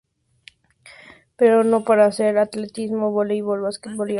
Pero no para hacer atletismo, vóleibol, básquetbol y artes marciales.